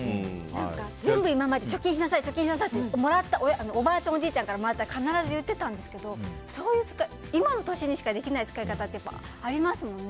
全部今まで貯金しなさいっておばあちゃん、おじいちゃんからもらってたら必ず言ってたんですけど今の年でしかできない使い方ってありますもんね。